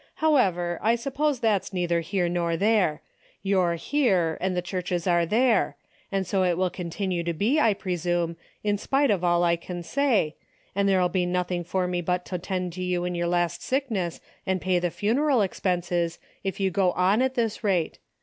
However, I suppose that's neither here nor there. You're here and the churches are there, and so it will continue to be, I presume, in spite of all I can say, and 154 DAILY RATE. there'll be nothing for me but to tend you in your last sickness and pay the funeral expenses, if you go on at this rate.